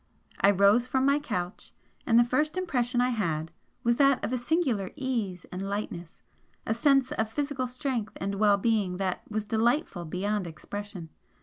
I rose from my couch, and the first impression I had was that of a singular ease and lightness a sense of physical strength and well being that was delightful beyond expression.